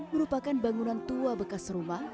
merupakan bangunan tua bekas rumah